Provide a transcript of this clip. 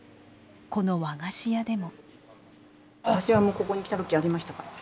この和菓子屋でも。